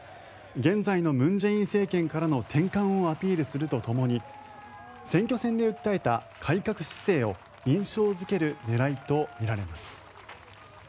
現在の文在寅政権からの転換をアピールするとともに選挙戦で訴えた改革姿勢を印象付ける狙いとみられます。